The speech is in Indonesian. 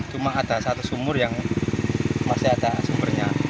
cuma ada satu sumur yang masih ada sumbernya